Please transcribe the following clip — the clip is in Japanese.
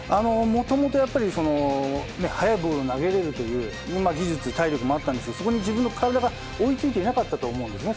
もともと速いボールを投げられるという技術体力もあったんですがそこに自分の体が追いついてなかったと思うんですね。